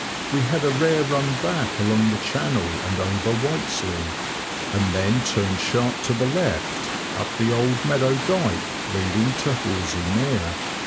We had a rare run back along the channel, and over Whiteslea, and then turned sharp to the left, up the Old Meadow dyke leading to Horsey Mere.